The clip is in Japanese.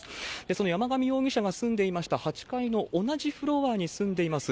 その山上容疑者が住んでいました８階の同じフロアに住んでいます